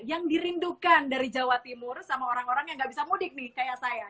yang dirindukan dari jawa timur sama orang orang yang gak bisa mudik nih kayak saya